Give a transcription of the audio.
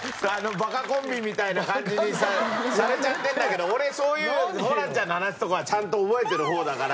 バカコンビみたいな感じにされちゃってるんだけど俺そういうホランちゃんの話とかはちゃんと覚えてる方だから。